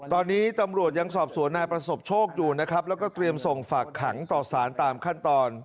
ตอนนี้ตำรวจยังสอบสวนนายประสบโชคอยู่นะครับแล้วก็เตรียมส่งฝากขังต่อสารตามขั้นตอน